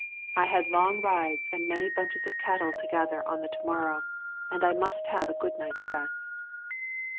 I had long rides and many bunches of cattle to gather on to morrow, and I must have a good night's rest.